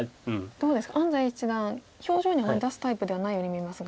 どうですか安斎七段表情には出すタイプではないように見えますが。